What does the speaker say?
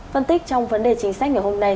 phân tích trong vấn đề chính sách ngày hôm nay